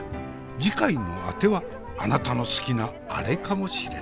次回のあてはあなたの好きなアレかもしれない。